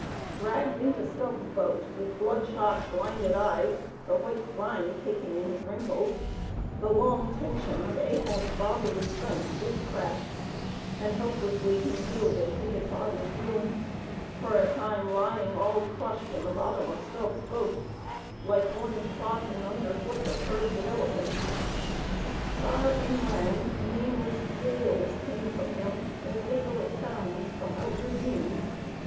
Dragged into Stubb's boat with blood shot, blinded eyes, the white brine caking in his wrinkles, the long tension of Ahab's bodily strength did crack, and helplessly he yielded to his body's doom: for a time, lying all crushed in the bottom of Stubb's boat, like one trodden under foot of herds of elephants. Far inland, nameless wails came from him, as desolate sounds from out ravines.